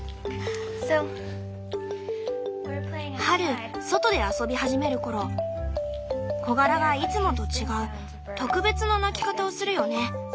春外で遊び始める頃コガラがいつもと違う特別な鳴き方をするよね。